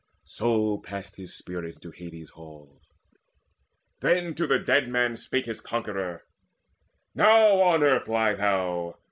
So passed his spirit into Hades' halls. Then to the dead man spake his conqueror: "Now on the earth lie thou.